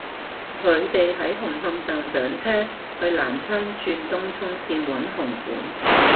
佢哋喺紅磡站上車去南昌轉東涌綫搵紅館